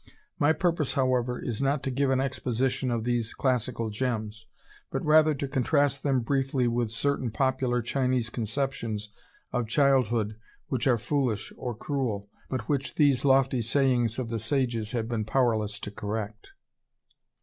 My purpose, however, is not to give an exposition of these classical gems, but rather to contrast them briefly with certain popular Chinese conceptions of childhood which are foolish or cruel, but which these lofty sayings of the sages have been powerless to correct.